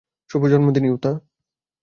শুভ জন্মদিন, ইউতা।